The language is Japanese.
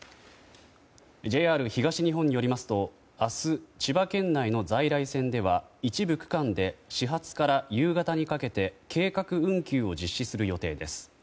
ＪＲ東日本によりますと明日、千葉県内の在来線では一部区間で始発から夕方にかけて計画運休を実施する予定です。